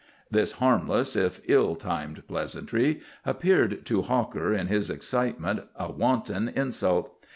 This harmless, if ill timed pleasantry appeared to Hawker, in his excitement, a wanton insult.